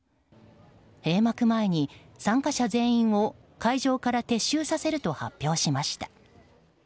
閉幕前に参加者全員を会場から撤収させると発表しました。